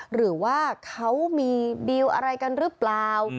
หรือว่าเขามีดีลอะไรกันหรือเปล่า